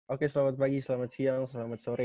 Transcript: oke selamat pagi selamat siang selamat sore